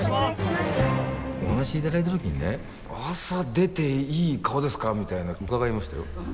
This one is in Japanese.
お話いただいた時にね朝出ていい顔ですかみたいな伺いましたよ。